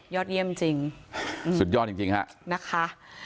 เยี่ยมจริงสุดยอดจริงฮะนะคะ